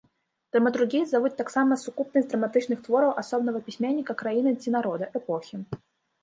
Драматургіяй завуць таксама сукупнасць драматычных твораў асобнага пісьменніка, краіны ці народа, эпохі.